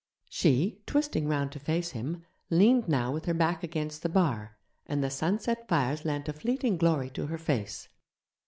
She, twisting round to face him, leaned now with her back against the bar, and the sunset fires lent a fleeting glory to her face.